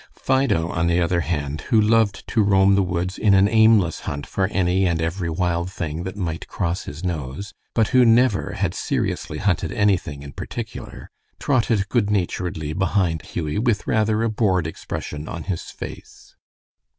Fido, on the other hand, who loved to roam the woods in an aimless hunt for any and every wild thing that might cross his nose, but who never had seriously hunted anything in particular, trotted good naturedly behind Hughie with rather a bored expression on his face.